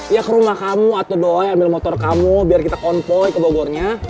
ya ke rumah kamu atau doa yang ambil motor kamu biar kita konvoy ke bogornya